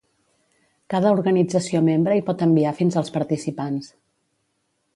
Cada organització membre hi pot enviar fins als participants.